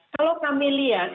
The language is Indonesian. kalau kami lihat